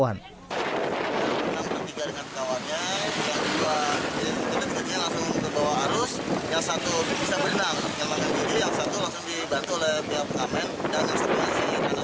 yang satu bisa berenang yang satu langsung dibantu oleh pihak pengamen